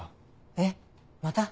えっまた？